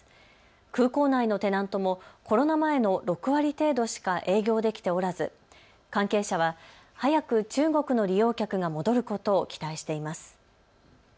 空港内のテナントもコロナ前の６割程度しか営業できておらず関係者は早く中国の利用客が戻ることを期待しています。